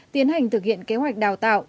tiến hành thực hiện kế hoạch đào tạo